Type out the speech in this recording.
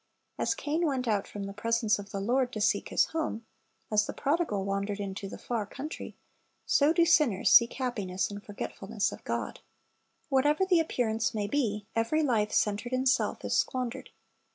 As Cain went out from the presence of the Lord to seek his home; as the prodigal wandered into the "far country," so do sinners seek happiness in forgetfulness of God. ^ Whatever the appearance may be, every life centered in self is squandered.